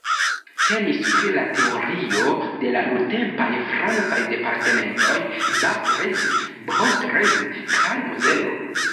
Temis pri la teritorio de la nuntempaj francaj departementoj Bas-Rhin, Haut-Rhin kaj Mozelo.